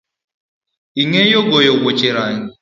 Ing’e goyo wuoche rangi?